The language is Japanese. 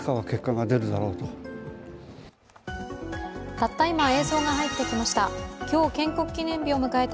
たった今映像が入ってきました。